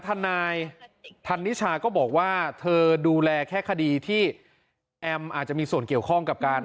ทนายธันนิชาก็บอกว่าเธอดูแลแค่คดีที่แอมอาจจะมีส่วนเกี่ยวข้องกับการ